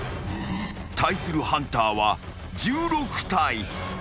［対するハンターは１６体］